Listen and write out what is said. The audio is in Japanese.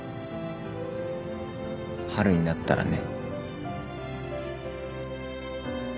春になったらね。